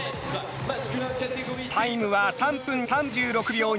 タイムは、３分３６秒２２。